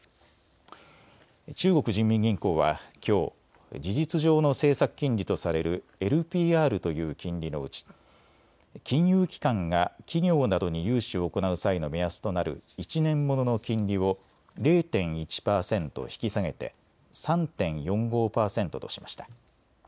中国人民銀行はきょう事実上の政策金利とされるＬＰＲという金利のうち金融機関が企業などに融資を行う際の目安となる１年ものの金利を０．１％引き下げて３．４５％としました。